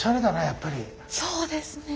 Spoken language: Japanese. そうですね。